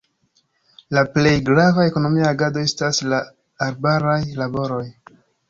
La plej grava ekonomia agado estas la arbaraj laboroj.